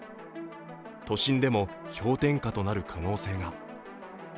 都心でも氷点下となる可能性が。